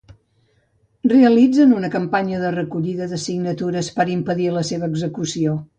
Realitzen una campanya de recollida de signatures per a impedir la seva execució.